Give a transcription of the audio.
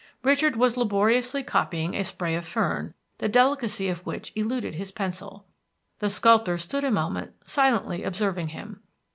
Richard was laboriously copying a spray of fern, the delicacy of which eluded his pencil. The sculptor stood a moment silently observing him.